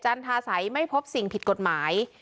จันทาไสไอไม่พบสิ่งผิดกฎหมาย